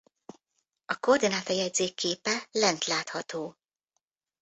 A koordináta-jegyzék képe lent látható.